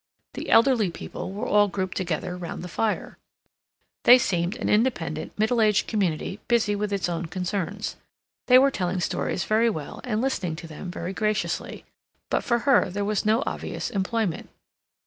The elderly people were all grouped together round the fire. They seemed an independent, middle aged community busy with its own concerns. They were telling stories very well and listening to them very graciously. But for her there was no obvious employment.